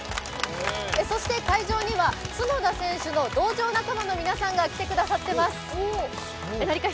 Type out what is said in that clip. そして、会場には角田選手の道場仲間の皆さんが来ています。